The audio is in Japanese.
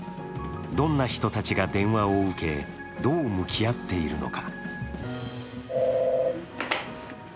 どんな人たちが電話を受けどう向き合っているのか。